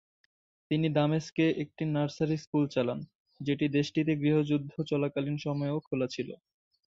তিনি দামেস্কে একটি nursery school চালান, যেটি দেশটিতে গৃহযুদ্ধ চলাকালীন সময়েও খোলা ছিল।